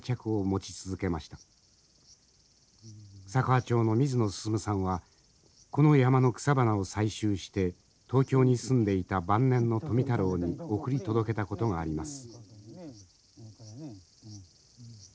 佐川町の水野進さんはこの山の草花を採集して東京に住んでいた晩年の富太郎に送り届けたことがあります。